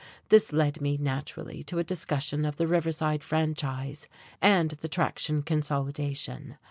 This led me naturally to a discussion of the Riverside Franchise and the Traction Consolidation.